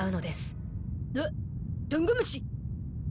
あっダンゴムシ！